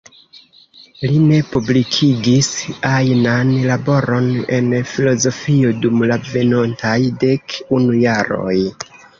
Li ne publikigis ajnan laboron en filozofio dum la venontaj dek unu jaroj.